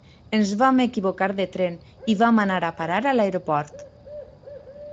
Ens vam equivocar de tren i vam anar a parar a l'aeroport.